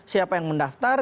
siapa yang mendaftar